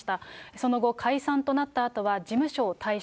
その後、解散となったあとは、事務所を退所。